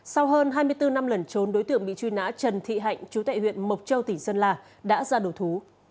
sau hơn hai mươi bốn năm lẩn trốn đối tượng bị truy nã trần thị hạnh chú tại huyện mộc châu tỉnh sơn la đã ra đổ thú